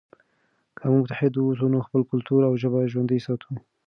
که موږ متحد واوسو نو خپل کلتور او ژبه ژوندی ساتو.